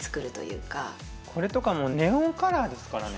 これとかもネオンカラーですからね。